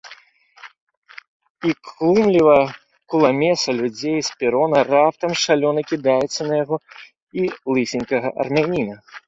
І клумлівая куламеса людзей з перона раптам шалёна кідаецца на яго і лысенькага армяніна.